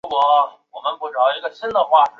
瑞典最热榜。